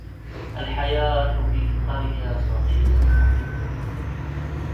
الحياة في قرية صغيرة مملة.